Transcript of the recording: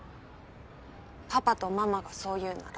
「パパとママがそう言うなら」